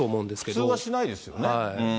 普通はしないですよね。